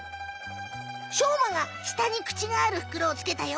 しょうまが下にくちがあるふくろをつけたよ。